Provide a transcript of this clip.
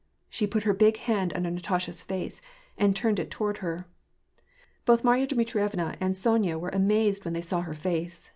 '* She put her big hand under Natasha's face, and turned it toward her. Both Marya Dmitrievna and Sonya were amazed when they saw her face.